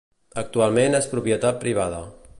Actualment és de propietat privada.